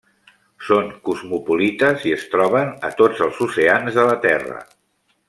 Són cosmopolites i es troben a tots els oceans de la Terra.